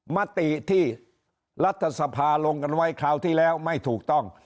มติที่รัฐสภาลงกันไว้คราวที่แล้วไม่ถูกต้อง